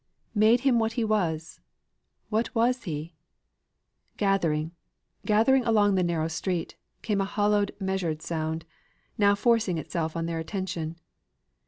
Made him what he is! What was he? Gathering, gathering along the narrow street, came a hollow, measured sound; now forcing itself on their attention.